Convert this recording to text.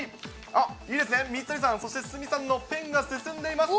あっ、いいですね、水谷さん、そして鷲見さんのペンが進んでいます。